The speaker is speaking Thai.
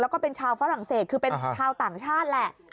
แล้วก็เป็นชาวฝรั่งเศสคือเป็นชาวต่างชาติแหละ